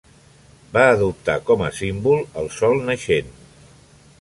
Va adoptar com a símbol el sol naixent.